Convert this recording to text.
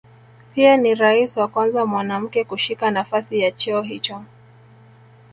Pia ni rais wa kwanza mwanamke kushika nafasi ya cheo hicho